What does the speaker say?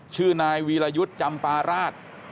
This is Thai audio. ชื่อนายวีรยุทธ์จำปาราช